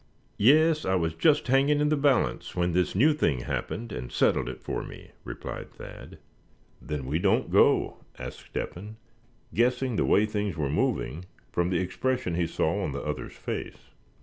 "Yes, I was just hanging in the balance, when this new thing happened, and settled it for me," replied Thad. "Then we don't go?" asked Step hen, guessing the way things were moving from the expression he saw on the other's face.